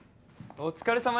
おおお疲れさま。